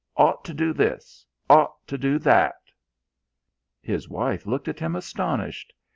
'Ought' to do this: 'Ought' to do that." His wife looked at him, astonished.